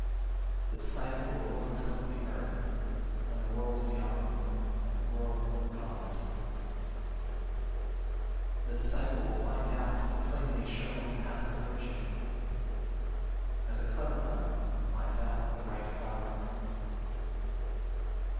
45. The disciple will overcome the earth, and the world of Yama, and the world of the gods. The disciple will find out the plainly shown path of virtue, as a clever man finds out the (right) flower.